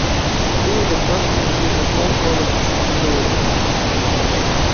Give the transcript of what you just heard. Lee would personally visit all colleagues injured on duty.